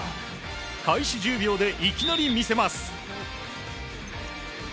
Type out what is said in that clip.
開始１０秒でいきなり見せます。